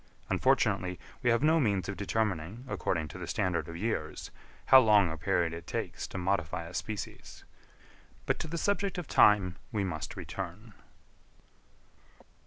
Unfortunately we have no means of determining, according to the standard of years, how long a period it takes to modify a species; but to the subject of time we must return.